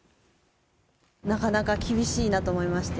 なかなか厳しいなと思いまして。